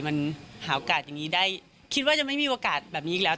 มันหาโอกาสอย่างนี้ได้คิดว่าจะไม่มีโอกาสแบบนี้อีกแล้ว